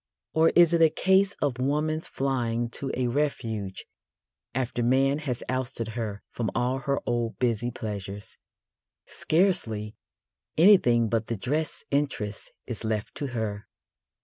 Or is it a case of woman's flying to a refuge after man has ousted her from all her old busy pleasures? Scarcely anything but the dress interest is left to her.